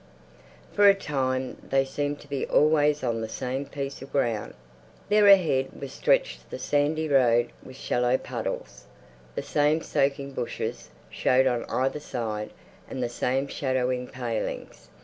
For a time they seemed to be always on the same piece of ground. There ahead was stretched the sandy road with shallow puddles; the same soaking bushes showed on either side and the same shadowy palings.